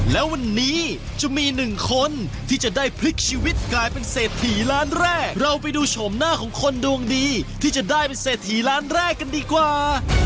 แล้ววันนี้จะมีหนึ่งคนที่จะได้พลิกชีวิตกลายเป็นเศรษฐีล้านแรกเราไปดูโฉมหน้าของคนดวงดีที่จะได้เป็นเศรษฐีล้านแรกกันดีกว่า